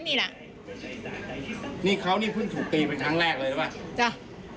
เวลาเข้าเมาแล้วเข้ามา